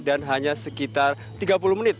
dan hanya sekitar tiga puluh menit